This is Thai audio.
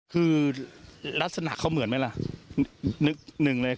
คือลักษณะเขาเหมือนไหมล่ะนึกหนึ่งเลย